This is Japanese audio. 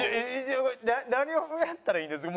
何をやったらいいんです？